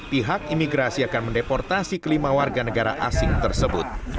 pihak imigrasi akan mendeportasi kelima warga negara asing tersebut